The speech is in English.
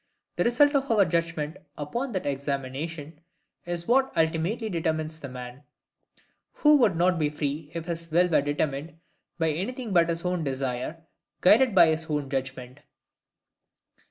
The result of our judgment upon that examination is what ultimately determines the man; who could not be FREE if his will were determined by anything but his own desire, guided by his own judgment.